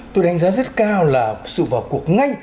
tôi đánh giá rất cao là sự vào cuộc ngay